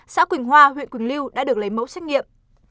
xã quỳnh hoa huyện quỳnh lưu đã được lấy mẫu xét nghiệm